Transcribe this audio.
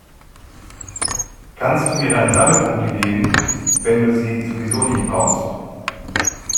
Kannst du mir deine Sammelpunkte geben, wenn du sie sowieso nicht brauchst?